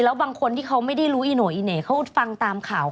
แล้วบางคนที่เขาไม่ได้รู้ไอหน่อยไอหน่อยเขาอุดฟังตามข่าว